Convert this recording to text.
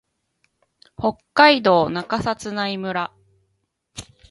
北海道中札内村